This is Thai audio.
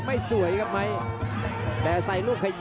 อันนี้พยายามจะเน้นข้างซ้ายนะครับ